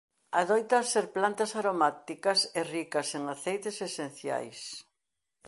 Adoitan ser plantas aromáticas e ricas en aceites esenciais.